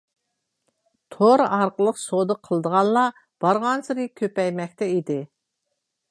تور ئارقىلىق سودا قىلىدىغانلار بارغانسېرى كۆپەيمەكتە ئىدى.